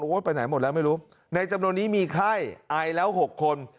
ไปไหนหมดแล้วไม่รู้ในจำนวนนี้มีไข้ไอแล้ว๖คน